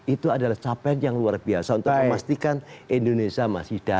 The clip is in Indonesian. itu adalah capaian yang luar biasa untuk memastikan indonesia masih dapat